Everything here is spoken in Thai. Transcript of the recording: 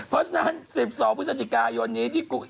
เพราะฉะนั้น๑๒พฤศจิกายนนี้ที่